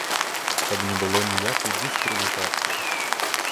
Каб не было ніякай дыскрэдытацыі.